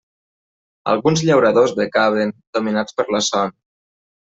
Alguns llauradors becaven, dominats per la son.